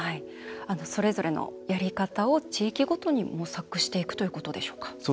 それぞれのやり方を地域ごとに模索していくということでしょうか。